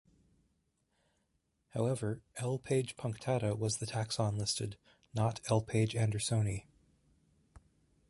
However, "L. page punctata" was the taxon listed, not "L. page andersoni".